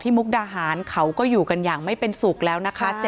มุกดาหารเขาก็อยู่กันอย่างไม่เป็นสุขแล้วนะคะ